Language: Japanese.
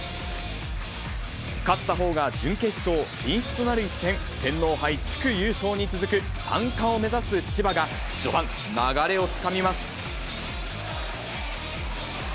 勝ったほうが準決勝進出となる一戦、天皇杯、地区優勝に続く３冠を目指す千葉が、序盤、流れをつかみます。